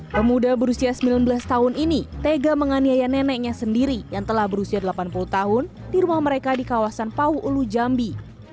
pemuda berusia sembilan belas tahun ini tega menganiaya neneknya sendiri yang telah berusia delapan puluh tahun di rumah mereka di kawasan pau ulu jambi